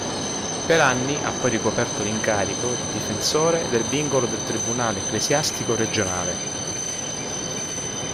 Per anni ha poi ricoperto l'incarico di difensore del vincolo del Tribunale Ecclesiastico Regionale.